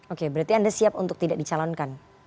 oke berarti anda siap untuk tidak dicalonkan